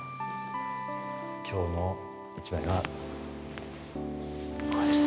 今日の一枚はこれです。